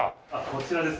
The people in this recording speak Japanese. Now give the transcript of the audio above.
こちらです。